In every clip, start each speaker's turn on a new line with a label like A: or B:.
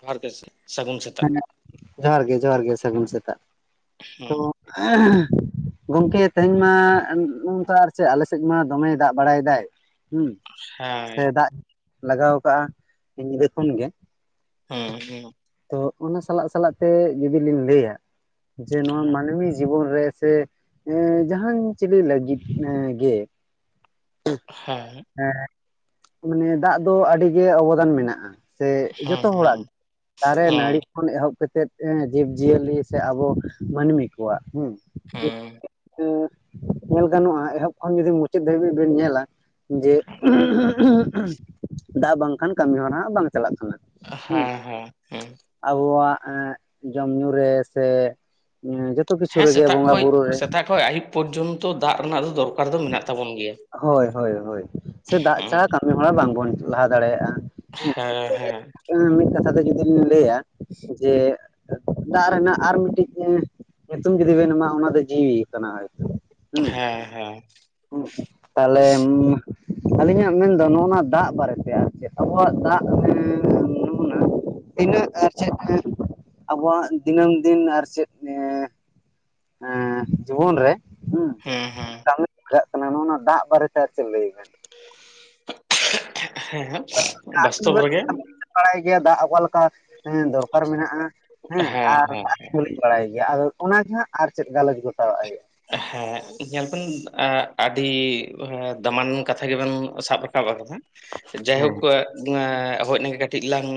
A: [unintelligible] ᱥᱟᱹᱜᱩᱱ ᱥᱮᱛᱟᱜ
B: ᱦᱮᱸ
A: ᱾
B: ᱡᱚᱦᱟᱨ ᱜᱮ ᱡᱚᱦᱟᱨ ᱜᱮ ᱥᱟᱹᱜᱩᱱ ᱥᱮᱛᱟᱜ ᱛᱚ
A: ᱦᱮᱸ
B: [unintelligible] ᱜᱚᱝᱠᱮ ᱛᱮᱦᱮᱧ ᱢᱟ ᱱᱚᱝᱠᱟ ᱟᱨ ᱪᱮᱫ ᱟᱞᱮ ᱥᱮᱫ ᱢᱟ ᱫᱚᱢᱮᱭ ᱫᱟᱜ ᱵᱟᱲᱟᱭ ᱫᱟᱭ ᱾ ᱦᱩᱸ
A: ᱦᱮᱸ
B: ᱥᱮ ᱫᱟᱜ ᱞᱟᱜᱟᱣ ᱠᱟᱜᱼᱟ ᱧᱤᱫᱟᱹ ᱠᱷᱚᱱ ᱜᱮ ᱾
A: ᱦᱩᱸ ᱦᱩᱸ ᱾
B: ᱛᱚ ᱚᱱᱟ ᱥᱟᱞᱟᱜ ᱥᱟᱞᱟᱜ ᱛᱮ ᱡᱩᱫᱤ ᱞᱤᱧ ᱞᱟᱹᱭᱟ ᱡᱮ ᱱᱚᱣᱟ
A: ᱦᱮᱸ
B: ᱢᱟᱹᱱᱢᱤ ᱡᱤᱵᱚᱱ ᱨᱮ ᱥᱮ ᱡᱟᱸᱦᱟᱱ ᱪᱤᱞᱤ ᱞᱟᱹᱜᱤᱫ ᱜᱮ
A: [inaudible]
B: ᱦᱮᱸ ᱢᱟᱱᱮ ᱫᱟᱜ ᱫᱚ ᱟᱹᱰᱤ ᱜᱮ ᱚᱵᱚᱫᱟᱱ ᱢᱮᱱᱟᱜᱼᱟ, ᱥᱮ ᱡᱚᱛᱚ
A: ᱦᱮᱸ ᱦᱮᱸ
B: ᱦᱚᱲᱟᱜ ᱜᱮ᱾ ᱫᱟᱨᱮ ᱱᱟᱹᱲᱤ ᱠᱷᱚᱱ ᱮᱦᱚᱵ ᱠᱟᱛᱮᱜ ᱮ ᱡᱤᱵ ᱡᱤᱭᱟᱹᱞᱤ ᱥᱮ ᱟᱵᱚ ᱢᱟᱹᱱᱢᱤ ᱠᱚᱣᱟᱜ ᱦᱩᱸ
A: ᱦᱮᱸ
B: ᱾ [unintelligible] ᱧᱮᱞ ᱜᱟᱱᱚᱜᱼᱟ ᱮᱦᱚᱵ ᱠᱷᱚᱱ ᱡᱩᱫᱤ ᱢᱩᱪᱟᱹᱫ ᱫᱷᱟᱹᱵᱤᱡ ᱵᱤᱱ ᱧᱮᱞᱟ ᱡᱮ [unintelligible] ᱫᱟᱜ ᱵᱟᱝ ᱠᱷᱟᱱ ᱠᱟᱹᱢᱤ ᱦᱚᱨᱟ ᱵᱟᱝ ᱪᱟᱞᱟᱜ ᱠᱟᱱᱟ᱾ ᱦᱩᱸ
A: ᱦᱮᱸ ᱦᱮᱸ ᱦᱮᱸ᱾
B: ᱟᱵᱚᱣᱟᱜ ᱮ ᱡᱚᱢ ᱧᱩ ᱨᱮ ᱥᱮ ᱡᱷᱚᱛᱚ ᱠᱤᱪᱷᱩ ᱨᱮᱜᱮ ᱵᱚᱸᱜᱟ ᱵᱩᱨᱩ ᱨᱮ
A: ᱦᱳᱭ ᱟᱹᱭᱩᱵ ᱯᱚᱨᱡᱚᱱᱛᱚ ᱫᱟᱜ ᱨᱮᱱᱟᱜ ᱫᱚ ᱫᱚᱨ
B: ᱦᱳᱭ ᱦᱳᱭ ᱦᱳᱭ ᱥᱮ ᱫᱟᱜ ᱪᱷᱟᱲᱟ
A: ᱦᱮᱸ
B: ᱠᱟ ᱠᱟᱢᱤ ᱦᱚᱨᱟ ᱵᱟᱝᱵᱚᱱ ᱞᱟᱦᱟ ᱫᱟᱲᱮᱭᱟᱜᱼᱟ, ᱦᱮᱸ [unintelligible] ᱢᱤᱫ ᱠᱟᱛᱷᱟ ᱛᱮ ᱡᱩᱫᱤᱢ ᱞᱟᱹᱭᱟ ᱡᱮ ᱫᱟᱜ ᱨᱮᱱᱟᱜ ᱟᱨ ᱢᱤᱫᱴᱤᱡ ᱮᱸ ᱧᱩᱛᱩᱢ ᱡᱩᱫᱤ ᱵᱮᱱ ᱮᱢᱟ ᱚᱱᱟ ᱫᱚ ᱡᱤᱣᱤ ᱠᱟᱱᱟ ᱦᱳᱭ ᱛᱚ᱾
A: ᱦᱮᱸ ᱦᱮᱸ᱾
B: ᱛᱟᱦᱚᱞᱮ [unintelligible] ᱟᱹᱞᱤᱧᱟᱜ ᱢᱮᱱᱫᱚ ᱱᱚᱜᱱᱟ ᱫᱟᱜ ᱵᱟᱨᱮ ᱛᱮ ᱟᱨ ᱪᱮᱫ ᱟᱵᱚᱣᱟᱜ ᱫᱟᱜ [unintelligible] ᱤᱱᱟᱹᱜ ᱟᱨ ᱪᱮᱫ ᱮ ᱟᱵᱚᱣᱟᱜ ᱫᱤᱱᱟᱹᱢ ᱫᱤᱱ ᱟᱨ ᱪᱮᱫ ᱮᱸ ᱮᱸ ᱡᱤᱵᱚᱱ ᱨᱮ
A: ᱦᱩᱸ ᱦᱩᱸ ᱾
B: [unintelligible] ᱠᱟᱱᱟ ᱱᱚᱜᱱᱟ ᱫᱟᱜ ᱵᱟᱨᱮ ᱛᱮ ᱟᱨ ᱪᱮᱫ ᱞᱟᱹᱭ ᱾
A: [unintelligible] ᱵᱟᱥᱛᱚᱵ ᱨᱮᱜᱮ
B: [unintelligible] ᱵᱟᱲᱟᱭ ᱜᱮᱭᱟ ᱫᱟᱜ ᱚᱠᱟ ᱞᱮᱠᱟ ᱦᱮᱸ ᱫᱚᱨᱠᱟᱨ ᱢᱮᱱᱟᱜᱼᱟ ᱦᱮᱸ ᱟᱨ [unintelligible] ᱵᱟᱲᱟᱭ ᱜᱮᱭᱟ ᱟᱫᱚ ᱚᱱᱟ ᱜᱮ ᱦᱟᱸᱜ ᱟᱨ ᱪᱮᱫ ᱜᱟᱞᱚᱪ ᱜᱚᱴᱟᱣᱟᱜ ᱦᱩᱭᱩᱜᱼᱟ ᱾
A: ᱦᱮᱸ ᱧᱮᱞᱵᱱ ᱮ ᱟᱹᱰᱤ ᱮ ᱫᱟᱢᱟᱱ ᱠᱟᱛᱷᱟ ᱜᱮᱵᱮᱱ ᱥᱟᱵ ᱨᱟᱠᱟᱵ ᱟᱠᱟᱫᱟ ᱾ ᱡᱟᱭ ᱦᱳᱠ
B: ᱦᱮᱸ
A: ᱦᱳᱭ ᱚᱱᱟ ᱜᱮ ᱠᱟᱹᱴᱤᱡ ᱞᱟᱝ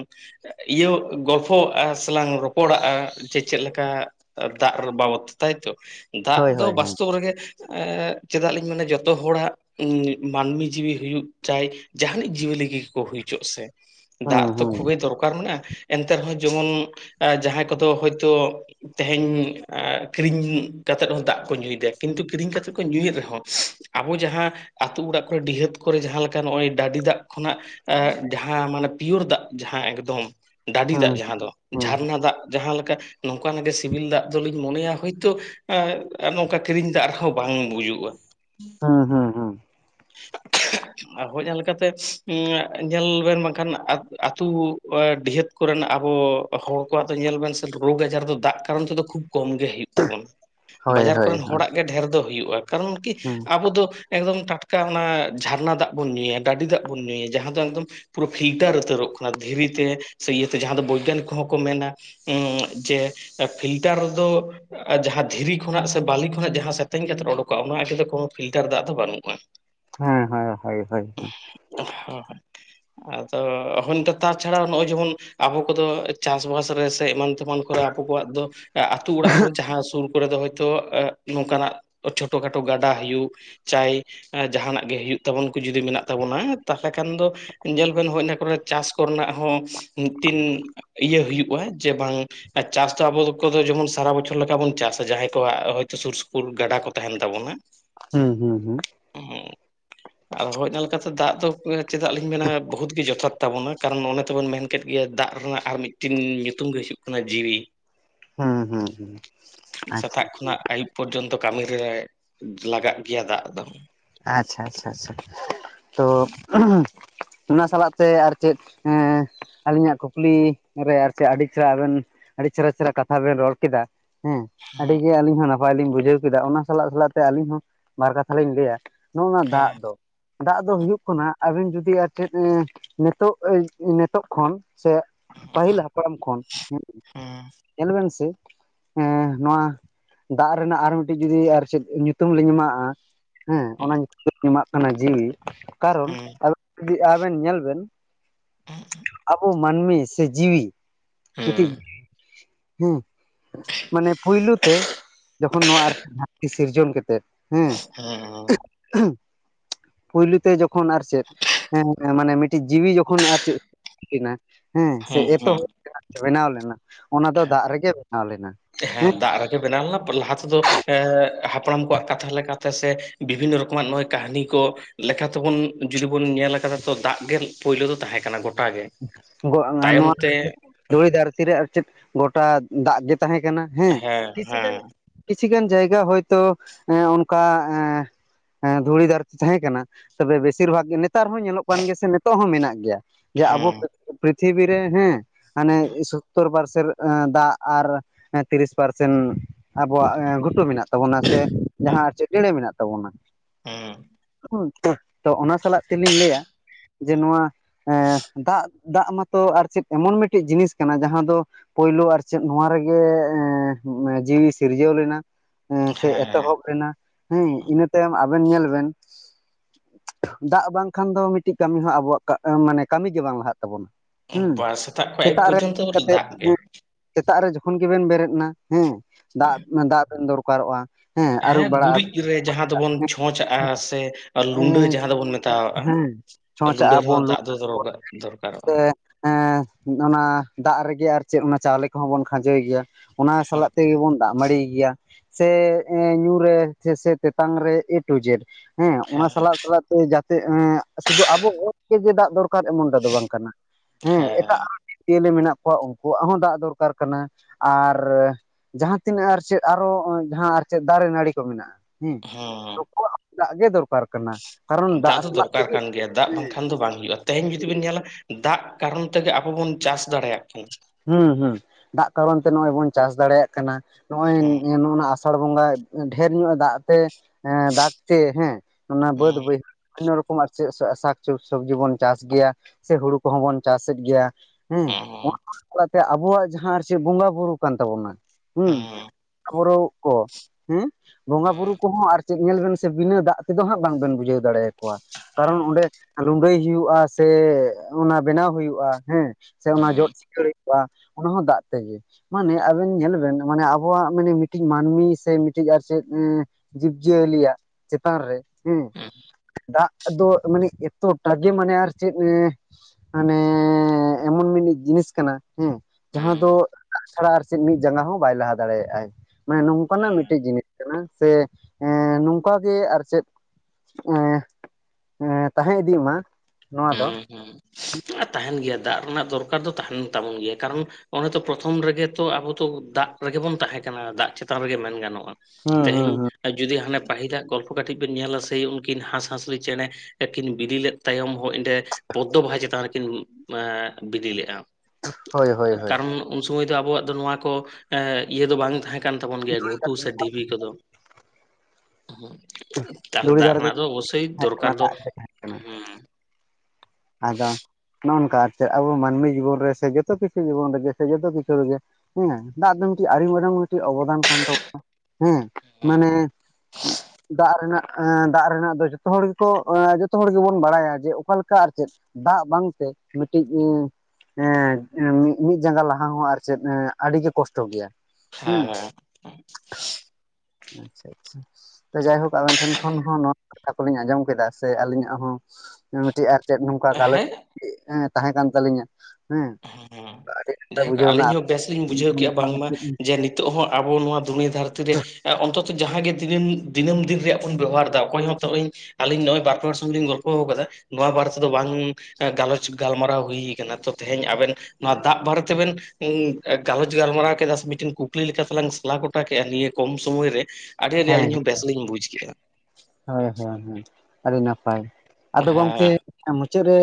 A: ᱤᱭᱟᱹᱣ ᱜᱚᱞᱯᱷᱚᱼᱟ ᱥᱮᱞᱟᱝ ᱨᱚᱯᱚᱲᱟᱜᱼᱟ ᱪᱮ ᱪᱮᱫ ᱞᱮᱠᱟ? ᱫᱟᱜ ᱵᱟᱵᱚᱫ ᱛᱟᱭᱛᱚ
B: ᱦᱳᱭ
A: ᱫᱟᱜ
B: ᱦᱳᱭ
A: ᱫᱚ
B: ᱦᱮᱸ
A: ᱵᱟᱥᱛᱚᱵ ᱨᱮᱜᱮᱼᱼ ᱮᱜ ᱪᱮᱫᱟᱜ ᱞᱤᱧ ᱢᱮᱱᱟ ᱡᱚᱛᱚ ᱦᱚᱲᱟᱜ ᱩᱸ ᱢᱟᱹᱱᱢᱤ ᱡᱤᱣᱤ ᱦᱩᱭᱩᱜ ᱪᱟᱭ ᱡᱟᱦᱟᱱᱤᱡ ᱡᱤᱭᱟᱹᱞᱤ ᱜᱮᱠᱚ ᱦᱩᱭ ᱦᱚᱪᱚᱜ ᱥᱮ ᱫᱟᱜ
B: ᱦᱩᱸ
A: ᱛᱚ
B: ᱦᱩᱸ
A: ᱠᱷᱩᱵᱮ ᱫᱚᱨᱠᱟᱨ ᱢᱮᱱᱟᱜᱼᱟ ᱾ ᱮᱱᱛᱮ ᱨᱮᱦᱚᱸ ᱡᱮᱢᱚᱱ ᱮ ᱡᱟᱦᱟᱸᱭ ᱠᱚᱫᱚ ᱦᱚᱭᱛᱳ ᱛᱮᱦᱮᱧ ᱮ ᱟᱹᱠᱷᱨᱤᱧ ᱾ ᱠᱟᱛᱮᱫ ᱨᱮ ᱦᱚᱸ ᱫᱟᱜ ᱠᱚ ᱧᱩᱭ ᱫᱟ ᱠᱤᱱᱛᱩ ᱠᱤᱨᱤᱧ ᱠᱟᱛᱮᱫ ᱠᱚ ᱧᱩᱭᱮᱫ ᱨᱮᱦᱚᱸ ᱟᱵᱚ ᱡᱟᱦᱟᱸᱼᱼ ᱟᱹᱛᱩ ᱚᱲᱟᱜ ᱠᱚᱨᱮ ᱰᱤᱦᱟᱹᱛ ᱠᱚᱨᱮ ᱡᱟᱦᱟᱸ ᱞᱮᱠᱟ ᱱᱚᱜᱼᱚᱭ ᱰᱟᱹᱰᱤ ᱫᱟᱜ ᱠᱷᱚᱱᱟᱜ ᱡᱟᱦᱟᱸ ᱢᱟᱱᱮ ᱯᱤᱭᱳᱨ ᱫᱟᱜ ᱡᱟᱦᱟᱸ ᱮᱠᱫᱚᱢ ᱰᱟᱹᱰᱤ
B: ᱦᱩᱸ
A: ᱫᱟᱜ ᱡᱟᱦᱟ ᱫᱚ
B: ᱦᱩᱸ
A: ᱡᱷᱟᱨᱱᱟ ᱫᱟᱜ ᱡᱟᱦᱟᱸ ᱞᱮᱠᱟ ᱱᱚᱝᱠᱟᱱᱟᱜ ᱜᱮ ᱥᱤᱵᱤᱞ ᱫᱟᱜ ᱫᱚᱞᱤᱧ ᱢᱚᱱᱮᱭᱟ ᱦᱳᱭᱛᱳ ᱟᱨ ᱱᱚᱝᱠᱟ ᱠᱤᱨᱤᱧ ᱫᱟᱜ ᱨᱮᱦᱚᱸ ᱵᱟᱝ ᱵᱩᱡᱩᱜᱼᱟ᱾
B: ᱦᱚᱸ ᱦᱚᱸ ᱦᱚᱸ
A: ᱦᱩᱭ ᱚᱱᱟ ᱞᱮᱠᱟᱛᱮ ᱧᱮᱞ ᱵᱮᱱ ᱵᱟᱝᱠᱷᱟᱱ ᱟᱹᱛᱩ ᱰᱤᱦᱟᱹᱛ ᱠᱚᱨᱮᱱ ᱟᱵᱚ ᱦᱚᱲ ᱠᱚᱣᱟᱜ ᱧᱮᱞ ᱵᱮᱱ ᱥᱮ ᱨᱳᱜᱽ ᱟᱡᱟᱨ ᱫᱚ ᱫᱟᱜ ᱠᱟᱨᱚᱱ ᱛᱮᱫᱚ ᱠᱚᱢ ᱜᱮ ᱦᱩᱭᱩᱜ ᱛᱟᱵᱚᱱ
B: ᱦᱳᱭ
A: ᱵᱟᱡᱟᱨ
B: ᱦᱳᱭ
A: ᱠᱚᱨᱮᱱ
B: ᱦᱳᱭ
A: ᱦᱚᱲᱟᱜ ᱜᱮ ᱰᱷᱮᱨ ᱫᱚ ᱦᱩᱭᱩᱜᱼᱟ ᱠᱟᱨᱚᱱ ᱠᱤ
B: ᱦᱩᱸ
A: ᱟᱵᱚ ᱫᱚ ᱮᱠᱫᱚᱢ ᱴᱟᱴᱠᱟ ᱚᱱᱟ ᱡᱷᱟᱨᱱᱟ ᱫᱟᱜ ᱵᱚᱱ ᱧᱩᱭᱟ ᱰᱟᱹᱰᱤ ᱫᱟᱜ ᱵᱚᱱ ᱧᱩᱭᱟ ᱡᱟᱦᱟᱸ ᱫᱚ ᱮᱠᱫᱚᱢ ᱯᱩᱨᱟᱹ ᱯᱷᱤᱞᱴᱟᱨ ᱩᱛᱟᱹᱨᱚᱜ ᱠᱟᱱᱟ ᱫᱷᱤᱨᱤᱛᱮ ᱥᱮ ᱤᱭᱟᱹᱛᱮ ᱡᱟᱦᱟ ᱫᱚ ᱵᱳᱭᱜᱟᱱᱤᱠ ᱠᱚᱦᱚ ᱠᱚ ᱢᱮᱱᱟ ᱡᱮ ᱯᱷᱤᱞᱴᱟᱨ ᱫᱚ ᱡᱟᱦᱟᱸ ᱫᱷᱤᱨᱤ ᱠᱷᱚᱱᱟᱜ ᱥᱮ ᱵᱟᱹᱞᱤ ᱠᱷᱚᱱᱟᱜ ᱡᱟᱦᱟᱸ ᱥᱮᱛᱮᱧ ᱠᱟᱛᱮᱫ ᱩᱰᱩᱠᱚᱜᱼᱟ ᱚᱱᱟ ᱚᱲᱮᱡ ᱛᱮ ᱠᱚᱱᱳ ᱯᱷᱤᱞᱴᱟᱨ ᱫᱟᱜ ᱫᱚ ᱵᱟᱹᱱᱩᱜᱼᱟ᱾
B: ᱦᱮᱸ ᱦᱳᱭ ᱦᱳᱭ ᱦᱳᱭ
A: [inaudible] ᱟᱫᱚ [unintelligible] ᱛᱟᱪᱷᱟᱲᱟ ᱱᱚᱜᱼᱚᱭ ᱡᱮᱢᱚᱱ ᱟᱵᱚ ᱠᱚᱫᱚ ᱪᱟᱥᱵᱟᱥ ᱨᱮ ᱥᱮ ᱮᱢᱟᱱ ᱛᱮᱟᱱ ᱠᱚᱨᱮ ᱟᱵᱟᱠᱚᱣᱟᱜ ᱫᱚ ᱟᱹᱛᱩ ᱚᱲᱟᱜ ᱠᱚᱨᱮᱱ ᱡᱟᱦᱟᱸ ᱥᱩᱨ ᱠᱚᱨᱮ ᱫᱚ ᱦᱚᱳᱭᱛᱚ ᱱᱚᱝᱠᱟᱱᱟᱜ ᱪᱷᱳᱴᱳ ᱠᱷᱟᱴᱳ ᱜᱟᱰᱟ ᱦᱳᱭᱳᱜ ᱪᱟᱭ ᱦᱮᱸ ᱡᱟᱦᱟᱱᱟᱜ ᱜᱮ ᱦᱩᱭᱩᱜ ᱛᱟᱵᱚᱱ ᱠᱚ ᱡᱚᱫᱤ ᱢᱮᱱᱟᱜ ᱛᱟᱵᱚᱱᱟ ᱛᱟᱦᱚᱞᱮ ᱠᱷᱟᱱ ᱫᱚ ᱧᱮᱞ ᱵᱮᱱ ᱦᱚᱭᱮᱱᱟ ᱠᱚᱨᱮ ᱪᱟᱥ ᱠᱚᱨᱮᱱᱟᱜ ᱦᱚᱸ ᱛᱤᱱ ᱤᱭᱟᱹ ᱦᱩᱭᱩᱜᱼᱟ ᱡᱮ ᱵᱟᱝ ᱟᱨ ᱪᱟᱥ ᱫᱚ ᱟᱵᱚ ᱠᱚᱫᱚ ᱡᱮᱢᱚᱱ ᱥᱟᱨᱟ ᱵᱚᱪᱷᱚᱨ ᱞᱮᱠᱟ ᱵᱚᱱ ᱪᱟᱥ ᱡᱟᱦᱟᱸᱭ ᱠᱚᱣᱟᱜ ᱦᱳᱭᱛᱳ ᱥᱩᱨ ᱥᱩᱯᱩᱨ ᱜᱟᱰᱟ ᱠᱚ ᱛᱟᱦᱮᱱ ᱛᱟᱵᱚᱱᱟ
B: ᱦᱩᱸ ᱦᱩᱸ ᱦᱩᱸ
A: ᱦᱳᱭ ᱚᱱᱟ ᱞᱮᱠᱟᱛᱮ ᱫᱟᱜ ᱫᱚ ᱪᱮᱫᱟᱜ ᱞᱤᱧ ᱢᱮᱱᱟ ᱵᱚᱦᱩᱛ ᱜᱮ ᱡᱚᱛᱷᱟᱛ ᱛᱟᱵᱚᱱᱟ ᱠᱟᱨᱚᱱ ᱚᱱᱮ ᱛᱚᱵᱚᱱ ᱢᱮᱱ ᱠᱮᱫ ᱜᱮ ᱫᱟᱜ ᱨᱮᱱᱟᱜ ᱟᱨ ᱢᱤᱫᱴᱤᱱ ᱧᱩᱛᱩᱢ ᱜᱮ ᱦᱩᱭᱩᱜ ᱠᱟᱱᱟ ᱡᱤᱣᱤ᱾
B: ᱦᱩᱸ ᱦᱩᱸ ᱦᱩᱸ ᱟᱪᱪᱷᱟ
A: ᱥᱮᱛᱟᱜ ᱠᱷᱚᱱᱟᱜ ᱟᱹᱭᱩᱵ ᱯᱚᱨᱡᱚᱱᱛᱚ ᱠᱟᱹᱢᱤ ᱨᱮ ᱞᱟᱜᱟᱜ ᱜᱮᱭᱟ ᱫᱟᱜ ᱫᱚ᱾
B: ᱟᱪᱪᱷᱟ ᱟᱪᱪᱷᱟ ᱟᱪᱪᱷᱟ ᱛᱚ ᱚᱱᱟ ᱥᱟᱞᱟᱜ ᱛᱮ ᱟᱨ ᱪᱮᱫ ᱮᱸ ᱟᱹᱞᱤᱧᱟᱜ ᱠᱩᱠᱞᱤ ᱨᱮ ᱟᱨᱪᱮ ᱟᱹᱰᱤ ᱪᱮᱦᱨᱟ ᱵᱮᱱ ᱟᱹᱰᱤ ᱪᱮᱦᱨᱟ ᱪᱮᱦᱨᱟ ᱠᱟᱛᱷᱟ ᱵᱮᱱ ᱨᱚᱲ ᱠᱮᱫᱟ ᱦᱮᱸ ᱟᱹᱰᱤᱜ ᱟᱹᱞᱤᱧ ᱦᱚᱸ ᱱᱟᱯᱟᱭ ᱞᱤᱧ ᱵᱩᱡᱷᱟᱹᱣ ᱠᱮᱫᱟ ᱚᱱᱟ ᱥᱟᱞᱟᱜ ᱥᱟᱞᱟᱜ ᱛᱮ ᱟᱹᱞᱤᱧ ᱦᱚᱸ ᱵᱟᱨ ᱠᱟᱛᱷᱟ ᱞᱤᱧ ᱞᱟᱹᱭᱟ ᱱᱚᱜᱼᱚ ᱱᱚᱣᱟ ᱫᱟᱜ
A: ᱦᱮᱸ
B: ᱫᱚ ᱫᱟᱜ ᱫᱚ ᱦᱩᱭᱩᱜ ᱠᱟᱱᱟ ᱟᱵᱤᱱ ᱡᱩᱫᱤ ᱟᱨᱪᱮᱫ ᱱᱤᱛᱚᱜ ᱱᱤᱛᱚᱜ ᱠᱷᱚᱱ ᱥᱮ ᱯᱟᱹᱦᱤᱞ ᱦᱟᱯᱲᱟᱢ ᱠᱷᱚᱱ
A: ᱦᱮᱸ
B: ᱧᱮᱞᱵᱮᱱ ᱥᱮ ᱦᱮᱸ ᱱᱚᱣᱟ ᱫᱟᱜ ᱨᱮᱱᱟᱜ ᱟᱨ ᱪᱮᱫ ᱢᱤᱴᱤᱡ ᱡᱩᱫᱤ ᱟᱨ ᱪᱮᱫ ᱧᱩᱛᱩᱢ ᱞᱤᱧ ᱮᱢᱟᱜᱼᱟ ᱦᱮᱸ ᱚᱱᱟ [inaudible] ᱡᱤᱣᱭᱤ ᱠᱟᱨᱚᱱ
A: ᱦᱮᱸ
B: [inaudible] ᱟᱵᱮᱱ ᱧᱮᱞ ᱵᱮᱱ
A: [inaudible]
B: ᱟᱵᱚ ᱢᱟᱹᱱᱢᱤ ᱥᱮ ᱡᱤᱣᱤ [unintelligible] ᱦᱮᱸ ᱢᱟᱱᱮ ᱯᱩᱭᱞᱩ ᱛᱮ ᱡᱚᱠᱷᱚᱱ ᱱᱚᱣᱟ ᱟᱨ [unintelligible] ᱥᱤᱨᱡᱚᱱ ᱠᱟᱛᱮᱜ ᱦᱮᱸ
A: ᱦᱮᱸ
B: ᱯᱩᱭᱞᱳ ᱛᱮ ᱡᱚᱠᱷᱚᱱ ᱪᱮᱫ ᱦᱮᱸ ᱢᱟᱱᱮ ᱢᱤᱫᱴᱮᱱ ᱡᱤᱣᱤ ᱡᱚᱠᱷᱚᱱ ᱟᱨ ᱪᱮᱫ [unintelligible] ᱦᱩᱭᱱᱟ ᱦᱮᱸ ᱥᱮ ᱮᱛᱚᱦᱚᱵ ᱵᱮᱱᱟᱣ ᱞᱮᱱᱟ ᱚᱱᱟ ᱫᱚ
A: ᱦᱮᱸ
B: ᱫᱟᱜ ᱨᱮᱜᱮ ᱵᱮᱱᱟᱣ ᱞᱮᱱᱟ
A: ᱦᱮᱸ ᱫᱟᱜ ᱨᱮᱜᱮ ᱵᱮᱱᱟᱣ ᱞᱮᱱᱟ, ᱞᱟᱦᱟ ᱛᱮᱫᱚ ᱦᱟᱯᱲᱟᱢ ᱠᱚᱣᱟᱜ ᱠᱟᱛᱷᱟ ᱞᱮᱠᱟᱛᱮ ᱥᱮ ᱵᱤᱵᱷᱤᱱᱱᱚ ᱨᱚᱠᱚᱢᱟᱜ ᱱᱚᱜᱼᱚᱭ ᱠᱟᱹᱦᱱᱤ ᱠᱚ ᱞᱮᱠᱟᱛᱮᱵᱚᱱ ᱡᱩᱫᱤ ᱵᱚᱱ ᱧᱮᱞ ᱠᱟᱫᱟ ᱛᱚ ᱫᱟᱜ ᱜᱮ ᱯᱳᱭᱞᱳ ᱫᱚ ᱛᱟᱦᱮᱸ ᱠᱟᱱᱟ ᱜᱚᱴᱟ ᱜᱮ
B: [unintelligible]
A: ᱛᱟᱭᱚᱢ
B: ᱱᱚᱣᱟ
A: ᱛᱮ
B: [unintelligible] ᱫᱷᱩᱲᱤ ᱫᱷᱟᱹᱨᱛᱤ ᱨᱮ ᱟᱨ ᱪᱮᱫ ᱜᱚᱴᱟ ᱫᱟᱜ ᱜᱮ ᱛᱟᱦᱮ ᱠᱟᱱᱟ ᱦᱮᱸ ᱠᱤᱪᱷᱤᱜᱟᱱ ᱠᱤᱪᱷᱤ ᱜᱟᱱ ᱡᱟᱭᱜᱟ ᱦᱳᱭᱛᱚ ᱚᱱᱠᱟ ᱮᱸ ᱦᱮᱸ ᱫᱷᱩᱲᱤ ᱫᱷᱟᱹᱨᱛᱤ ᱛᱟᱦᱮᱸ ᱠᱟᱱᱟ, ᱛᱚᱵᱮ ᱵᱮᱥᱤᱨ ᱵᱷᱟᱜ ᱱᱮᱛᱟᱨ ᱦᱚᱸ ᱧᱮᱞᱚᱜ ᱠᱟᱱ ᱜᱮᱭᱟ ᱥᱮ ᱱᱤᱛᱚᱜ ᱦᱚᱸ ᱢᱮᱱᱟᱜ ᱜᱮᱭᱟ᱾ ᱡᱮ ᱟᱵᱚ
A: ᱦᱮᱸ
B: ᱯᱨᱤᱛᱷᱤᱵᱤ ᱨᱮ ᱦᱮᱸ᱾ ᱦᱟᱱᱮ ᱥᱳᱛᱛᱚᱨ ᱯᱟᱨᱥᱮᱱ ᱮ ᱫᱟᱜ ᱟᱨ ᱮ ᱛᱤᱨᱤᱥ ᱯᱟᱨᱥᱮᱱ ᱟᱵᱚᱣᱟᱜ ᱜᱷᱩᱴᱩ ᱢᱮᱱᱟᱜ ᱛᱟᱵᱚᱱᱟ ᱥᱮ ᱡᱟᱦᱟᱸ
A: ᱦᱮᱸ
B: ᱟᱨ [unintelligible] ᱢᱮᱱᱟᱜ ᱛᱟᱵᱚᱱᱟ᱾
A: ᱦᱩᱸ᱾
B: ᱛᱚ ᱚᱱᱟ ᱥᱟᱞᱟᱜ ᱛᱮᱞᱤᱧ ᱞᱟᱹᱭᱟ ᱡᱮ ᱱᱚᱣᱟ ᱮᱸ᱾ ᱫᱟᱜ ᱫᱟᱜ ᱢᱟᱛᱚ ᱟᱨ ᱪᱮᱫ ᱮᱢᱚᱱ ᱢᱤᱫᱴᱮᱱ ᱡᱤᱱᱤᱥ ᱠᱟᱱᱟ ᱡᱟᱦᱟᱸ ᱫᱚ᱾ ᱯᱳᱭᱞᱳ ᱟᱨ ᱪᱮᱫ ᱱᱚᱣᱟ ᱨᱮᱜᱮ ᱮ ᱡᱤᱣᱤ ᱥᱤᱨᱡᱟᱹᱣ ᱞᱮᱱᱟ᱾ ᱦᱮᱸ ᱥᱮ ᱮᱛᱚᱦᱚᱵ
A: ᱦᱮᱸ
B: ᱞᱮᱱᱟ ᱦᱮᱸ ᱤᱱᱟᱹ ᱛᱟᱭᱚᱢ ᱟᱵᱮᱱ ᱧᱮᱞ ᱵᱮᱱ ᱫᱟᱜ ᱵᱟᱝᱠᱷᱟᱱ ᱫᱚ ᱢᱤᱴᱤᱡ ᱠᱟᱹᱢᱤ ᱦᱚᱸ ᱟᱵᱚᱣᱟᱜ ᱢᱟᱱᱮ ᱠᱟᱹᱢᱤ ᱜᱮ ᱵᱟᱝ ᱞᱟᱦᱟᱜ ᱛᱟᱵᱚᱱᱟ᱾ ᱦᱩᱸ
A: ᱵᱟ ᱠᱷᱚᱱ ᱟᱹᱭᱩᱵ
B: ᱥᱮᱛᱟᱜ ᱨᱮ
A: ᱯᱚᱨᱡᱚᱱᱛᱚ
B: [unintelligible] ᱠᱟᱛᱮᱫ᱾
A: ᱫᱟᱜ ᱜᱮ
B: ᱥᱮᱛᱟᱜ ᱨᱮ ᱡᱚᱠᱷᱚᱱ ᱜᱮᱵᱮᱱ ᱵᱮᱨᱮᱫ ᱮᱱᱟ ᱦᱮᱸ ᱫᱟᱜ ᱫᱟᱜ ᱵᱮᱱ ᱫᱚᱨᱠᱟᱨᱚᱜᱼᱟ᱾ ᱟᱹᱨᱩᱵ
A: ᱦᱮᱸ
B: ᱵᱟᱲᱟᱜᱼᱟ
A: ᱜᱩᱨᱤᱡ ᱨᱮ ᱡᱟᱦᱟᱸ ᱪᱷᱚᱸᱪ ᱟᱜᱼᱟ᱾ ᱞᱩᱰᱟᱹ ᱡᱟᱦᱟᱸ ᱫᱚᱵᱚᱱ ᱢᱮᱛᱟᱣᱟᱜᱼᱟ᱾ ᱞᱩᱸᱰᱟᱹ
B: ᱪᱷᱚᱪᱟᱜᱼᱟ᱾ ᱵᱚᱱ ᱞᱩ
A: [unintelligible]
B: ᱥᱮ ᱮᱻᱚᱱᱟ ᱫᱟᱜ ᱨᱮᱜᱮ ᱟᱨ ᱪᱮᱫ ᱚᱱᱟ ᱪᱟᱣᱞᱮ ᱠᱚᱦᱚᱸ ᱵᱚᱱ ᱠᱷᱟᱸᱡᱚᱭ ᱜᱮᱭᱟ᱾ ᱚᱱᱟ ᱥᱟᱞᱟᱜ ᱛᱮᱜᱮ ᱵᱚᱱ ᱫᱟᱜ ᱢᱟᱹᱲᱤ ᱜᱮᱭᱟ ᱥᱮ ᱧᱩ ᱨᱮ ᱥᱮ ᱛᱮᱛᱟᱝ ᱨᱮ ᱮ ᱴᱩ ᱡᱮᱰ᱾ ᱦᱮᱸ ᱚᱱᱟ ᱥᱟᱞᱟᱜ ᱥᱟᱞᱟᱜ ᱡᱟᱛᱮ ᱮ ᱥᱩᱫᱷᱩ ᱟᱵᱚ ᱦᱚᱲ ᱜᱮ ᱫᱟᱜ [unintelligible] ᱚᱠᱟᱱ ᱮᱢᱚᱱ ᱴᱟ ᱫᱚ ᱵᱟᱝ ᱠᱟᱱᱟ ᱦᱮᱸ᱾ ᱮᱴᱟᱜ ᱟᱨ ᱡᱤᱭᱟᱹᱞᱤ ᱢᱮᱱᱟᱜ ᱠᱚᱣᱟ, ᱩᱱᱠᱩᱣᱟᱜ ᱦᱚᱸ ᱫᱟᱜ ᱫᱚᱨᱠᱟᱨ ᱠᱟᱱᱟ ᱟᱨ ᱡᱟᱦᱟᱸ ᱛᱤᱱᱟᱹᱜ ᱟᱨ ᱪᱮᱫ ᱟᱨᱚ ᱡᱟᱦᱟᱸ ᱟᱨ ᱪᱮᱫ ᱫᱟᱨᱮ ᱱᱟᱹᱲᱤ ᱠᱚ ᱢᱮᱱᱟᱜᱼᱟ᱾ ᱦᱮᱸ [unintelligible] ᱫᱟᱜ ᱜᱮ ᱫᱚᱨᱠᱟᱨ ᱠᱟᱱᱟ
A: ᱦᱮᱸ
B: ᱠᱟᱨᱚᱱ ᱫᱟᱜ
A: ᱫᱚ
B: ᱥᱟᱞᱟᱜ
A: ᱫᱚᱨᱠᱟᱨ
B: ᱛᱮᱜᱮ
A: ᱠᱟᱱ ᱜᱮᱭᱟ ᱫᱟᱜ ᱵᱟᱝᱠᱷᱟᱱ ᱫᱚ ᱵᱟᱝ ᱦᱩᱭᱩᱜᱼᱟ᱾ ᱛᱮᱦᱮᱧ ᱡᱩᱫᱤ ᱵᱚᱱ ᱧᱮᱞᱟ ᱫᱟᱜ ᱠᱟᱨᱚᱱ ᱛᱮᱜᱮ ᱟᱵᱚ ᱵᱚᱱ ᱪᱟᱥ ᱫᱟᱲᱮᱭᱟᱜ ᱠᱟᱱᱟ᱾
B: ᱦᱩᱸ ᱦᱩᱸ ᱫᱟᱜ ᱠᱟᱨᱚᱱ ᱛᱮ ᱱᱚᱜᱼᱚᱭ ᱵᱚᱱ ᱪᱟᱥ ᱫᱟᱲᱮᱭᱟᱜ ᱠᱟᱱᱟ᱾ ᱱᱚᱜᱼᱚᱭ
A: ᱦᱮᱸ
B: ᱱᱚᱜ ᱟᱥᱟᱲ ᱵᱚᱸᱜᱟᱭ ᱰᱮᱦᱮᱨ ᱧᱚᱜ ᱮ ᱫᱟᱜ ᱛᱮ ᱫᱟᱜ ᱛᱮ ᱦᱮᱸ ᱚᱱᱟ ᱵᱟᱹᱫᱽ
A: ᱦᱮᱸ
B: ᱵᱟᱹᱭᱦᱟᱹᱲ ᱨᱚᱠᱚᱢ [unintelligible] ᱥᱟᱠ ᱥᱚᱵᱡᱤ ᱵᱚᱱ ᱪᱟᱥ ᱜᱮᱭᱟ ᱥᱮ ᱦᱩᱲᱩ ᱠᱚᱦᱚᱸ ᱵᱚᱱ ᱪᱟᱥᱮᱫ ᱜᱮᱭᱟ ᱦᱮᱸ᱾ ᱠᱚ ᱟᱛᱮ ᱟᱵᱚᱣᱟᱜ ᱡᱟᱦᱟᱸ ᱟᱨ ᱪᱮᱫ ᱵᱚᱸᱜᱟ ᱵᱩᱨᱩ ᱠᱟᱱ ᱛᱟᱵᱚᱱᱟ᱾ ᱦᱩᱸ
A: ᱦᱮᱸ
B: [unintelligible] ᱠᱚ ᱦᱮᱸ ᱵᱚᱸᱜᱟ ᱵᱩᱨᱩ ᱠᱚᱦᱚᱸ ᱟᱨ ᱪᱮᱫ ᱧᱮᱞ ᱵᱮᱱ ᱥᱮ ᱵᱤᱱᱟᱹ ᱫᱟᱜ ᱛᱮᱫᱚ ᱦᱟᱸᱜ ᱵᱟᱝ ᱵᱮᱱ ᱵᱩᱡᱷᱟᱹᱣ ᱫᱟᱲᱮᱭ ᱟᱠᱚᱣᱟ ᱠᱟᱨᱚᱱ ᱚᱸᱰᱮ ᱨᱩᱱᱰᱟᱹᱭ ᱦᱩᱭᱩᱜᱼᱟ᱾ ᱥᱮ ᱚᱱᱟ ᱵᱮᱱᱟᱣ ᱦᱩᱭᱩᱜᱼᱟ ᱦᱮᱸ ᱥᱮ ᱚᱱᱟ ᱡᱚᱫ
A: ᱦᱮᱸ
B: ᱥᱤᱠᱟᱹᱲ ᱦᱳᱭᱳᱜ ᱵᱟ ᱚᱱᱟ ᱦᱚᱸ ᱫᱟᱜ ᱛᱮᱜᱮ᱾ ᱢᱟᱱᱮ ᱟᱵᱮᱱ ᱧᱮᱞ ᱵᱮᱱ ᱢᱟᱱᱮ ᱟᱵᱚᱣᱟᱜ ᱢᱟᱱᱮ ᱢᱤᱫᱴᱤᱡ ᱢᱟᱹᱱᱢᱤ ᱥᱮ ᱢᱤᱫᱴᱤᱡ ᱟᱨ ᱪᱮᱫ ᱮᱻ ᱡᱤᱵᱽ ᱡᱤᱭᱟᱹᱞᱤᱭᱟᱜ ᱪᱮᱛᱟᱱ ᱨᱮ ᱦᱩᱸ
A: ᱦᱮᱸ
B: ᱫᱟᱜ᱾ ᱟᱫᱚ ᱢᱟᱱᱮ ᱮᱛᱚᱴᱟ ᱜᱮ ᱢᱟᱱᱮ ᱟᱨ ᱪᱮᱫ ᱮᱻ ᱢᱟᱱᱮ ᱮᱢᱚᱱ ᱢᱤᱫ ᱡᱤᱱᱤᱥ ᱠᱟᱱᱟ ᱦᱮᱸ ᱡᱟᱦᱟᱸ ᱫᱚ᱾
A: ᱦᱮᱸ
B: ᱛᱟ ᱪᱷᱟᱲᱟ ᱟᱨ ᱪᱮᱫ ᱢᱤᱫ ᱡᱟᱸᱜᱟ ᱦᱚᱸ ᱵᱟᱭ ᱞᱟᱦᱟ ᱫᱟᱲᱮᱭᱟᱜᱼᱟᱭ᱾ ᱢᱟᱱᱮ
A: ᱦᱮᱸ
B: ᱱᱚᱝᱠᱟᱱᱟᱜ ᱢᱤᱫᱴᱮᱡ ᱡᱤᱱᱤᱥ ᱠᱟᱱᱟ ᱥᱮ ᱮᱻ ᱱᱚᱝᱠᱟ ᱜᱮ ᱟᱨ ᱪᱮᱫ᱾ ᱮᱻ ᱮᱻ ᱛᱟᱦᱮᱸ ᱤᱫᱤᱜ ᱢᱟ᱾ ᱱᱚᱣᱟ ᱫᱚ
A: ᱦᱩᱸ ᱦᱩᱸ ᱟᱨ ᱛᱟᱦᱮᱱ ᱜᱮᱭᱟ ᱫᱟᱜ ᱨᱮᱱᱟᱜ ᱫᱚᱨᱠᱟᱨ ᱫᱚ ᱛᱟᱦᱮᱱ ᱛᱟᱵᱚᱱ ᱜᱮᱭᱟ ᱠᱟᱨᱚᱱ ᱚᱱᱮ ᱛᱚ ᱯᱨᱚᱛᱷᱚᱢ ᱨᱮᱜᱮ ᱛᱚ ᱟᱵᱚ ᱫᱚ ᱫᱟᱜ ᱨᱮᱜᱮ ᱵᱚᱱ ᱛᱟᱦᱮᱸᱠᱟᱱᱟ ᱫᱟᱜ ᱪᱮᱛᱟᱱ ᱨᱮᱜᱮ ᱢᱮᱱ ᱜᱟᱱᱚᱜᱼᱟ᱾
B: ᱦᱩᱸ ᱦᱩᱸ
A: ᱛᱮᱦᱮᱧ
B: ᱦᱩᱸ
A: ᱡᱩᱫᱤ ᱦᱟᱱᱮ ᱯᱟᱹᱦᱤᱞᱟᱜ ᱜᱚᱞᱯᱚ ᱠᱟᱹᱴᱤᱡ ᱵᱮᱱ ᱧᱮᱞᱟ ᱥᱮᱭ ᱩᱱᱠᱤᱱ ᱦᱟᱸᱥ ᱦᱟᱸᱥᱞᱤ ᱪᱮᱬᱮ ᱟᱹᱠᱤᱱ ᱵᱤᱞᱤ ᱞᱮᱫ ᱛᱟᱭᱚᱢ ᱦᱚᱸ ᱛᱮ ᱯᱚᱫᱽᱫᱚ ᱵᱟᱦᱟ ᱪᱮᱛᱟᱱ ᱨᱮᱠᱤᱱ ᱮᱻ ᱵᱤᱞᱤ ᱞᱮᱫᱼᱟ
B: ᱦᱳᱭ ᱦᱳᱭ ᱦᱳᱭ
A: ᱠᱟᱨᱚᱱ ᱩᱱ ᱥᱚᱢᱚᱭ ᱫᱚ ᱟᱵᱚᱣᱟᱜ ᱫᱚ ᱱᱚᱣᱟ ᱠᱚ ᱤᱭᱟᱹ ᱫᱚ ᱵᱟᱝ ᱛᱟᱦᱮᱸ ᱠᱟᱱ ᱛᱟᱵᱚᱱ ᱜᱮᱭᱟ ᱜᱷᱩᱴᱩ ᱥᱮ ᱰᱷᱤᱯᱤ ᱠᱚᱫᱚ᱾ ᱦᱩᱸ
B: ᱫᱷᱩᱲᱤ ᱫᱷᱟᱨᱮᱛᱮ ᱛᱟᱦᱮ ᱠᱟᱱᱟ
A: ᱫᱚ
B: ᱫᱟᱜ ᱛᱮ ᱛᱟᱦᱮᱸ ᱠᱟᱱᱟ
A: ᱦᱩᱸ
B: ᱾ ᱟᱫᱚ ᱱᱚᱝᱠᱟ ᱥᱮ ᱟᱵᱚ ᱢᱟᱹᱱᱢᱤ ᱡᱤᱵᱚᱱ ᱨᱮ ᱥᱮ ᱡᱚᱛᱚ ᱠᱤᱪᱷᱩ ᱡᱤᱵᱚᱱ ᱨᱮᱜᱮ ᱥᱮ ᱡᱚᱛᱚ ᱠᱤᱪᱷᱩ ᱨᱮᱜᱮ, ᱦᱮᱸ ᱫᱟᱜ ᱫᱚ ᱢᱤᱫᱴᱤᱡ ᱟᱹᱰᱤ ᱢᱟᱨᱟᱝ ᱢᱤᱫᱴᱤᱡ ᱚᱵᱚᱫᱟᱱ ᱠᱟᱱ ᱛᱟᱵᱚᱱᱟ ᱦᱮᱸ ᱢᱟᱱᱮ, ᱫᱟᱜ ᱨᱮᱱᱟᱜ ᱫᱟᱜ ᱨᱮᱱᱟᱜ ᱫᱚ ᱡᱚᱛᱚ ᱦᱚᱲ ᱜᱮᱠᱚ ᱡᱚᱛᱚ ᱦᱚᱲ ᱜᱮᱵᱚᱱ ᱵᱟᱲᱟᱭᱟ ᱡᱮ ᱚᱠᱟ ᱞᱮᱠᱟ ᱟᱨ ᱪᱮᱫ, ᱫᱟᱜ ᱵᱟᱝᱛᱮ ᱢᱤᱫᱴᱤᱡ ᱩᱢᱻ ᱦᱮᱸ ᱢᱤᱫ ᱢᱤᱫ ᱡᱟᱸᱜᱟ ᱞᱟᱦᱟ ᱦᱚᱸ ᱟᱨ ᱪᱮᱫ ᱟᱹᱰᱤ ᱜᱮ ᱠᱚᱥᱴᱚ ᱜᱮᱭᱟ ᱾ ᱦᱩᱸ
A: ᱦᱮᱸ
B: ᱟᱪᱪᱷᱟ ᱟᱪᱪᱷᱟ ᱾ ᱛᱚ ᱡᱟᱭᱦᱳᱠ ᱟᱵᱮᱱ ᱴᱷᱮᱱ ᱠᱷᱚᱱ ᱦᱚᱸ ᱱᱚᱣᱟ ᱠᱟᱛᱷᱟ ᱠᱚᱞᱤᱧ ᱟᱸᱡᱚᱢ ᱠᱮᱫᱟ ᱥᱮ ᱟᱹᱞᱤᱧᱟᱜ ᱦᱚᱸ ᱢᱤᱫ ᱴᱮᱡ ᱪᱮᱫ ᱱᱚᱝᱠᱟ ᱜᱟᱞᱚᱪ
A: ᱦᱮᱸ
B: ᱟᱨᱠᱤ ᱛᱟᱦᱮᱸ ᱠᱟᱱ ᱛᱟᱹᱞᱤᱧᱟ ᱦᱮᱸ
A: ᱦᱮᱸ
B: ᱟᱹᱰᱤ ᱱᱟᱯᱟᱭ
A: ᱡᱟᱭᱦᱳᱠ
B: ᱵᱩᱡᱷᱟᱹᱣᱱᱟ
A: ᱟᱹᱞᱤᱧ ᱦᱚᱸ ᱵᱮᱥ ᱞᱤᱧ ᱵᱩᱡᱷᱟᱹᱣ ᱠᱮᱜᱼᱟ ᱵᱟᱝᱢᱟ ᱡᱮ ᱱᱤᱛᱚᱜ ᱦᱚᱸ ᱟᱵᱚ ᱱᱚᱣᱟ ᱫᱦᱩᱲᱤ ᱫᱷᱟᱹᱨᱛᱤ ᱨᱮ ᱚᱱᱛᱚᱛᱚ ᱡᱟᱦᱟᱸ ᱜᱮ ᱫᱤᱱᱟᱹᱢ ᱫᱤᱱᱟᱹᱢ ᱫᱤᱱ ᱨᱮᱭᱟᱜ ᱵᱚᱱ ᱵᱮᱵᱚᱦᱟᱨ ᱮᱫᱟ ᱚᱠᱚᱭ ᱦᱚᱸᱛᱚ ᱤᱧ ᱟᱹᱞᱤᱧ ᱱᱚᱜᱼᱚᱭ ᱵᱟᱨ ᱯᱮ ᱦᱚᱲ ᱥᱚᱢ ᱞᱤᱧ ᱜᱚᱞᱯᱚ ᱟᱠᱟᱫᱟ ᱱᱚᱣᱟ ᱵᱟᱨ ᱛᱮᱫᱚ ᱵᱟᱝ, ᱜᱟᱞᱚᱪ ᱜᱟᱞᱢᱟᱨᱟᱣ ᱦᱩᱭ ᱟᱠᱟᱱᱟ ᱛᱚ ᱛᱮᱦᱮᱧ ᱟᱵᱮᱱ ᱱᱚᱣᱟ ᱫᱟᱜ ᱵᱟᱨᱮ ᱛᱮ, ᱛᱮᱵᱮᱱ ᱜᱟᱞᱚᱪ ᱜᱟᱞᱢᱟᱨᱟᱣ ᱠᱮᱫᱟ ᱥᱮ ᱢᱤᱫᱴᱮᱱ ᱠᱩᱠᱞᱤ ᱞᱮᱠᱟᱛᱮ ᱞᱟᱝ ᱥᱟᱞᱟ ᱜᱚᱴᱟ ᱠᱮᱫᱟ ᱱᱤᱭᱟᱹ ᱠᱚᱢ ᱥᱚᱢᱚᱭ ᱨᱮ ᱾ ᱟᱹᱰᱤ ᱟᱹᱰᱤ
B: ᱦᱮᱸ
A: ᱟᱹᱞᱤᱧ ᱦᱚᱸ ᱵᱮᱥ ᱞᱤᱧ ᱵᱩᱡ ᱠᱮᱫᱼᱟ ᱾
B: ᱦᱳᱭ ᱦᱳᱭ ᱦᱳᱭ ᱟᱹᱰᱤ ᱱᱟᱯᱟᱭ ᱟᱫᱚ ᱜᱚᱝᱠᱮ
A: ᱦᱮᱸ
B: ᱢᱩᱪᱟᱹᱫ ᱨᱮ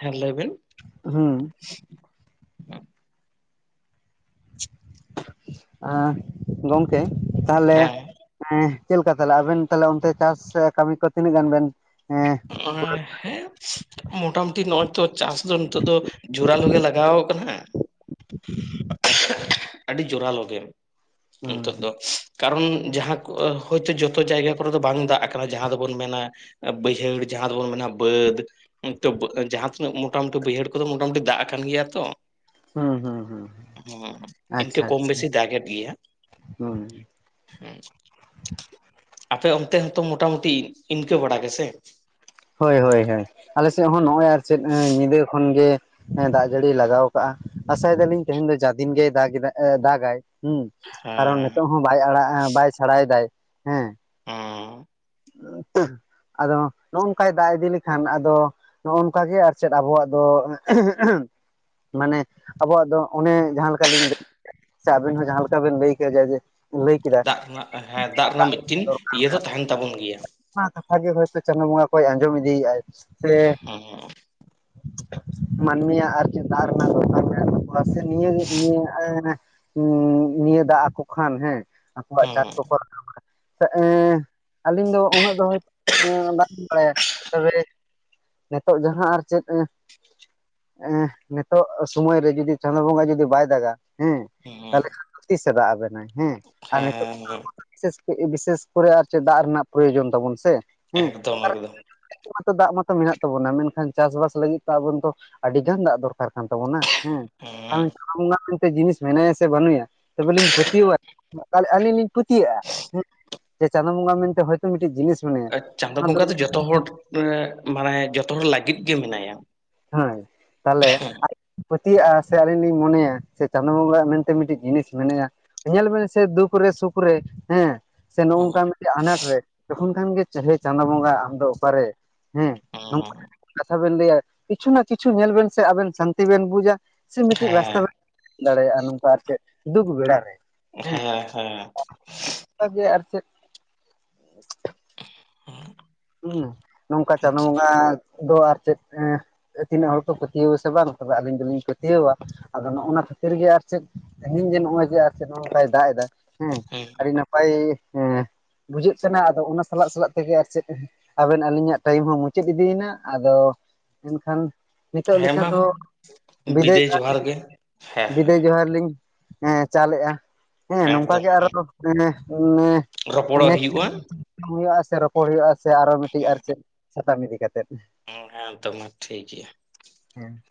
A: ᱦᱮᱸ ᱞᱟᱹᱭ ᱵᱤᱱ?
B: ᱦᱩᱸ ᱜᱚᱝᱠᱮ ᱟᱻ ᱛᱟᱦᱚᱞᱮ
A: ᱦᱮᱸ
B: ᱮᱸᱻ ᱪᱮᱫ ᱞᱮᱠᱟ ᱛᱟᱦᱚᱞᱮ ᱟᱵᱮᱱ ᱛᱟᱦᱚᱞᱮ ᱚᱱᱛᱮ ᱪᱟᱥ ᱥᱮ ᱠᱟᱹᱢᱤ ᱠᱚ ᱛᱤᱱᱟᱹᱜ ᱜᱟᱱ ᱵᱮᱱ ᱮᱸᱻ
A: [unintelligible] ᱦᱮᱸ ᱢᱚᱴᱟᱢᱩᱴᱤ ᱱᱚᱜᱼᱚᱭ ᱛᱚ ᱪᱟᱥ ᱫᱚ ᱱᱤᱛᱚᱜ ᱫᱚ ᱡᱳᱨᱟᱞᱳ ᱜᱮ ᱞᱟᱜᱟᱣ ᱠᱟᱱᱟ ᱾
B: ᱟᱪᱪᱷᱟ
A: ᱟᱹᱰᱤ ᱡᱳᱨᱟᱞᱳ ᱜᱮ
B: ᱦᱩᱸ
A: ᱱᱤᱛᱳᱜ ᱫᱚ ᱠᱟᱨᱚᱱ ᱡᱟᱦᱟᱸ ᱦᱚᱭᱛᱳ ᱡᱚᱛᱚ ᱡᱟᱭᱜᱟ ᱠᱚᱨᱮ ᱫᱚ ᱵᱟᱝ ᱫᱟᱜ ᱠᱟᱱᱟ ᱡᱟᱦᱟᱸ ᱫᱚ ᱵᱚᱱ ᱢᱮᱱᱟ ᱵᱟᱹᱭᱦᱟᱹᱲ ᱡᱟᱦᱟᱸ ᱫᱚᱵᱚᱱ ᱢᱮᱱᱟ ᱵᱟᱹᱫᱽ ᱚᱱᱛᱮ ᱡᱟᱦᱟᱸ ᱛᱤᱱᱟᱹᱜ ᱢᱚᱴᱟᱢᱩᱴᱤ ᱵᱟᱹᱭᱦᱟᱹᱲ ᱠᱚᱫᱚ ᱢᱚᱴᱟᱢᱩᱴᱤ ᱫᱟᱜ ᱟᱠᱟᱱ ᱜᱮᱭᱟ ᱛᱚ ᱾
B: ᱦᱩᱸ ᱦᱩᱸ ᱦᱩᱸ
A: ᱦᱩᱸ ᱤᱱᱠᱟᱹ
B: ᱟᱪᱪᱷᱟ
A: ᱠᱚᱢ
B: ᱟᱪᱪᱷᱟ
A: ᱵᱮᱥᱤ ᱫᱟᱜ ᱮᱫ ᱜᱮᱭᱟ
B: ᱦᱩᱸ
A: ᱦᱮᱸ ᱟᱯᱮ ᱚᱱᱛᱮ ᱦᱚᱸᱛᱚ ᱢᱚᱴᱟᱢᱩᱴᱤ ᱤᱱᱠᱟᱹ ᱵᱟᱲᱟ ᱜᱮᱥᱮ? [unintelligible]
B: ᱦᱳᱭ ᱦᱳᱭ ᱦᱳᱭ ᱟᱞᱮ ᱥᱮᱫ ᱦᱚᱸ ᱱᱚᱜᱼᱚᱭ ᱟᱨ ᱪᱮᱫ ᱧᱤᱫᱟᱹ ᱠᱷᱚᱱ ᱜᱮ ᱦᱮᱸ ᱫᱟᱜ ᱡᱟᱹᱲᱤᱭ ᱞᱟᱜᱟᱣ ᱠᱟᱜᱼᱟ ᱟᱥᱟᱭ ᱫᱟᱞᱤᱧ ᱛᱮᱦᱮᱧ ᱫᱚ ᱡᱟ ᱫᱤᱱ ᱜᱮᱭ ᱫᱟᱜ ᱫᱟᱜ ᱟᱭ ᱦᱮᱸ ᱠᱟᱨᱚᱱ
A: ᱦᱮᱸ
B: ᱱᱤᱛᱚᱜ ᱦᱚᱸ ᱵᱟᱭ ᱟᱲᱟᱜ ᱵᱟᱭ ᱥᱟᱲᱟᱭ ᱫᱟᱭ ᱦᱮᱸ
A: ᱦᱩᱸ
B: ᱟᱫᱚ ᱱᱚᱜᱚᱝᱠᱟᱭ ᱫᱟᱜ ᱤᱫᱤ ᱞᱮᱠᱷᱟᱱ ᱟᱫᱚ ᱱᱚᱝᱠᱟ ᱜᱮ ᱟᱨ ᱪᱮᱫ ᱟᱵᱚᱣᱟᱜ ᱫᱚ ᱢᱟᱱᱮ ᱟᱵᱚᱣᱟᱜ ᱫᱚ ᱚᱱᱮ ᱡᱟᱦᱟᱸ ᱞᱮᱠᱟ ᱞᱤᱧ ᱞᱟᱹᱭ ᱥᱮ ᱟᱵᱮᱱ ᱦᱚᱸ ᱡᱟᱦᱟᱸ ᱞᱮᱠᱟ ᱵᱮᱱ ᱞᱟᱹᱭ ᱠᱮᱫᱼᱟ ᱡᱟ ᱡᱮ ᱞᱟᱹᱭ ᱠᱮᱫᱟ
A: ᱫᱟᱜ ᱨᱮᱱᱟᱜ ᱦᱮᱸ ᱫᱟᱜ ᱨᱮᱱᱟᱜ ᱢᱤᱫᱴᱤᱱ
B: ᱫᱚᱨᱠᱟᱨ
A: ᱤᱭᱟᱹ ᱦᱚ
B: ᱢᱮᱱᱟᱜ
A: ᱛᱟᱦᱮᱱ ᱛᱟᱵᱚᱱ ᱜᱮᱭᱟ᱾
B: ᱚᱱᱟ ᱠᱟᱛᱷᱟᱜ ᱜᱮ ᱦᱚᱭᱛᱳ ᱪᱟᱸᱫᱳ ᱵᱚᱸᱜᱟ ᱠᱚᱭ ᱟᱸᱡᱚᱢ ᱤᱫᱤᱭᱮᱫ ᱟᱭ ᱥᱮ
A: ᱦᱮᱸ
B: [unintelligible] ᱢᱟᱹᱱᱢᱤ ᱭᱟᱜ ᱟᱨᱠᱮᱫ ᱫᱟᱜ ᱨᱮᱱᱟᱜ ᱫᱚᱨᱠᱟᱨ ᱢᱮᱱᱟᱜ ᱛᱟᱠᱚᱣᱟ ᱥᱮ ᱱᱤᱭᱟᱹᱜᱮ ᱱᱤᱭᱟᱹ ᱦᱩ ᱱᱤᱭᱟᱹ ᱫᱟᱜ ᱟᱠᱚ ᱠᱷᱟᱱ ᱦᱮᱸ ᱟᱠᱚᱣᱟᱜ
A: ᱦᱮᱸ
B: ᱪᱟᱥ ᱠᱚᱠᱚ ᱨᱟᱠᱟᱫᱟ ᱟᱹᱞᱤᱧ ᱫᱚ ᱩᱱᱟᱹᱜ ᱫᱚ ᱦᱚᱭᱛᱳ ᱫᱟᱜ ᱵᱟᱲᱟᱭᱟ ᱛᱚᱵᱮ ᱱᱤᱛᱚᱜ ᱡᱟᱦᱟᱸ ᱟᱨ ᱪᱮᱫ ᱮ ᱱᱤᱛᱚᱜ ᱥᱚᱢᱚᱭ ᱨᱮ ᱡᱩᱫᱤ ᱪᱟᱸᱫᱳ ᱵᱚᱸᱜᱟ ᱡᱩᱫᱤ ᱵᱟᱭ ᱫᱟᱜᱟ ᱦᱮᱸ
A: ᱦᱮᱸ
B: ᱛᱟᱦᱚᱞᱮ ᱛᱤᱥᱮ ᱫᱟᱜ ᱟᱵᱮᱱᱟ ᱦᱮᱸ ᱟᱨ ᱱᱤᱛᱚᱜ
A: ᱦᱮᱸ
B: ᱵᱤᱥᱮᱥ ᱵᱤᱥᱮᱥ ᱠᱚᱨᱮ ᱟᱨ ᱪᱮᱫ ᱫᱟᱜ ᱨᱮᱱᱟᱜ ᱯᱨᱳᱭᱳᱡᱚᱱ ᱛᱟᱵᱚᱱ ᱥᱮ ᱦᱮᱸ
A: ᱛᱚ ᱮᱠᱫᱚᱢ
B: ᱟᱫᱚ ᱫᱟᱜ ᱢᱟᱛᱚ ᱢᱮᱱᱟᱜ ᱛᱟᱵᱚᱱᱟ ᱢᱮᱱᱠᱷᱟᱱ ᱪᱟᱥᱵᱟᱥ ᱞᱟᱹᱜᱤᱫ ᱛᱚ ᱟᱵᱚ ᱫᱚ ᱟᱹᱰᱤ ᱜᱟᱱ ᱫᱟᱜ ᱫᱚᱨᱠᱟᱨ ᱠᱟᱱ ᱛᱟᱵᱚᱱᱟ᱾ ᱦᱮᱸ
A: ᱦᱩᱸ
B: ᱦᱟᱱᱛᱮ ᱟᱜ ᱡᱤᱱᱤᱥ ᱢᱮᱱᱟᱭᱟ ᱥᱮ ᱵᱟᱹᱱᱩᱭᱟ ᱛᱚᱵᱮ ᱞᱤᱧ ᱯᱟᱹᱛᱭᱟᱣᱼᱟ ᱟᱹᱞᱤᱧ ᱞᱤᱧ ᱯᱟᱹᱛᱭᱟᱜᱼᱟ ᱦᱮ ᱡᱮ ᱪᱟᱸᱫᱳ ᱵᱚᱸᱜᱟ ᱢᱮᱱᱛᱮ ᱦᱳᱭᱛᱳ ᱢᱤᱫᱴᱤᱡ ᱡᱤᱱᱤᱥ ᱢᱮᱱᱟᱭᱟ
A: ᱪᱟᱸᱫᱳ
B: ᱚᱱᱟ
A: ᱵᱚᱸᱜᱟ ᱫᱚ ᱡᱚᱛᱚ ᱦᱚᱲ ᱢᱟᱱᱮ ᱡᱚᱛᱚ ᱦᱚᱲ ᱞᱟᱹᱜᱤᱫ ᱜᱮ ᱢᱮᱱᱟᱭᱟ᱾
B: ᱦᱮᱸ ᱛᱟᱦᱞᱮ ᱟᱨ ᱯᱟᱹᱛᱭᱟᱜᱼᱟ ᱥᱮ ᱟᱹᱞᱤᱧ ᱞᱤᱧ ᱢᱚᱱᱮᱭᱟ ᱥᱮ ᱪᱟᱸᱫᱳ ᱵᱚᱸᱜᱟ ᱢᱮᱱᱛᱮ ᱢᱤᱫᱴᱤᱡ ᱡᱤᱱᱤᱥ ᱢᱮᱱᱟᱭᱟ᱾ ᱧᱮᱞ ᱵᱮᱱ ᱥᱮ ᱫᱩᱠ ᱨᱮ ᱥᱩᱠ ᱨᱮ ᱦᱮᱸ ᱥᱮ
A: ᱦᱩᱸ
B: ᱱᱚᱜᱚᱱᱚᱜᱠᱟᱱᱟᱜ ᱟᱱᱟᱴ ᱨᱮ ᱛᱚᱠᱷᱚᱱ ᱠᱷᱟᱱ ᱜᱮ ᱦᱮ ᱪᱟᱸᱫᱳ ᱵᱚᱸᱜᱟ ᱟᱢ ᱫᱚ ᱚᱠᱟᱨᱮ ᱦᱮᱸ ᱱᱚᱝ
A: ᱦᱩᱸ
B: ᱠᱟᱛᱷᱟ ᱵᱮᱱ ᱞᱟᱹᱭᱟ ᱠᱤᱪᱷᱩ ᱱᱟ ᱠᱤᱪᱷᱩ ᱧᱮᱞ ᱵᱮᱱ ᱥᱮ ᱟᱵᱮᱱ ᱥᱟᱱᱛᱤ ᱵᱮᱱ ᱵᱩᱡᱟ ᱥᱮ ᱢᱤᱫᱴᱤᱡ ᱨᱟᱥᱛᱟ
A: ᱦᱮᱸ
B: ᱵᱮ ᱫᱟᱲᱮᱭᱟᱜᱼᱟ ᱱᱚᱝᱠᱟ ᱟᱨ ᱪᱮᱫ ᱫᱩᱠ ᱵᱮᱲ ᱨᱮ
A: ᱦᱮᱸ ᱦᱮ
B: ᱚᱝᱠᱟ ᱜᱮ ᱟᱨ ᱪᱮᱫ ᱦᱮᱸ ᱱᱚᱝᱠᱟ
A: ᱦᱩᱸ
B: ᱪᱟᱸᱫᱳ ᱵᱚᱸᱜᱟ ᱫᱚ ᱟᱨ ᱪᱮᱫ ᱮ ᱛᱤᱱᱟᱹᱜ ᱦᱚᱲ ᱠᱚ ᱯᱟᱹᱛᱭᱟᱹᱣ ᱟ ᱥᱮ ᱵᱟᱝ ᱛᱚᱵᱮ ᱟᱹᱞᱤᱧ ᱫᱚᱞᱤᱧ ᱯᱟᱹᱛᱭᱟᱹᱣ ᱟ ᱟᱫᱚ ᱱᱚᱜᱼᱱᱟ ᱠᱷᱟᱹᱛᱤᱨ ᱜᱮ ᱟᱨ ᱪᱮᱫ ᱛᱮᱦᱮᱧ ᱡᱮ ᱱᱚᱜᱼᱚᱭ ᱡᱮ ᱟᱨ ᱪᱮᱫ ᱱᱚᱜᱚ ᱱᱚᱝᱠᱟᱭ ᱫᱟᱜ ᱫᱟ ᱦᱮᱸ
A: ᱦᱩᱸ
B: ᱟᱹᱰᱤ ᱱᱟᱯᱟᱭ ᱵᱩᱡᱷᱟᱹᱜ ᱠᱟᱱᱟ ᱟᱫᱚ ᱚᱱᱟ ᱥᱟᱞᱟᱜ ᱥᱟᱞᱟᱜ ᱛᱮᱜᱮ ᱟᱨ ᱪᱮᱫ? ᱟᱵᱮᱱ ᱟᱹᱞᱤᱧᱟᱜ ᱴᱟᱭᱤᱢ ᱦᱚᱸ ᱢᱩᱪᱟᱹᱫ ᱤᱫᱤᱭᱮᱱᱟ ᱟᱫᱚ ᱮᱱᱠᱷᱟᱱ ᱱᱤᱛᱚᱜ
A: ᱦᱮᱸ
B: ᱞᱮᱠᱟ
A: ᱢᱟ
B: ᱫᱚ ᱵᱤᱫᱟᱹᱭ ᱡᱚᱦᱟᱨ
A: ᱦᱮᱸ
B: ᱵᱤᱫᱟᱹᱭ ᱡᱚᱦᱟᱨ ᱞᱤᱧ ᱦᱮᱸ ᱪᱟᱞᱮᱜᱼᱟ ᱦᱮᱸ ᱱᱚᱝᱠᱟ ᱜᱮ ᱟᱨᱚ [unintelligible]
A: ᱨᱚᱯᱚᱲᱚᱜ
B: ᱱᱮᱠᱥᱴ
A: ᱦᱩᱭᱩᱜᱼᱟ
B: ᱴᱟᱭᱳᱢ [inaudible] ᱦᱩᱭᱩᱜᱼᱟ ᱥᱮ ᱨᱚᱯᱚᱲ ᱦᱩᱭᱩᱜᱼᱟ ᱥᱮ ᱟᱨᱚ ᱢᱤᱫᱴᱤᱡ ᱟᱨ ᱪᱮᱫ ᱥᱟᱛᱟᱢ ᱤᱫᱤ ᱠᱟᱛᱮᱫ
A: ᱳ ᱦᱮᱸ ᱛᱚ ᱢᱟ ᱴᱷᱤᱠ ᱜᱮᱭᱟ᱾
B: ᱦᱮᱸ